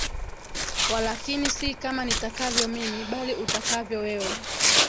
walakini si kama nitakavyo mimi bali utakavyo wewe